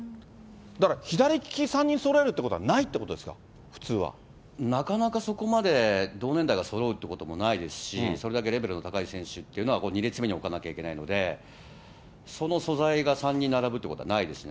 だから、左利き３人そろえるってことは、ないってことですか、なかなかそこまで同年代がそろうってこともないですし、それだけレベルの高い選手っていうのは、２列目に置かなきゃいけないので、その素材が３人並ぶということはないですしね。